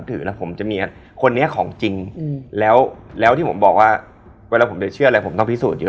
เวลาผมจะเชื่ออะไรผมต้องพิสูจน์เยอะ